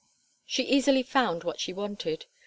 She easily found what she wanted.